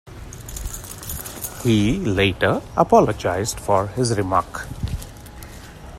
He later apologised for his remark.